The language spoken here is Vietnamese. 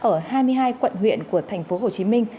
ở hai mươi hai quận huyện của tp hcm